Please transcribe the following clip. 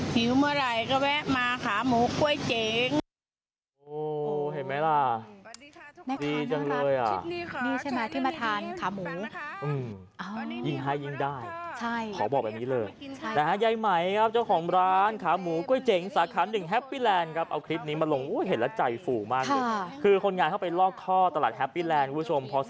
หิวเมื่อไหร่ก็แวะมาขาหมูกล้วยเจ๋ง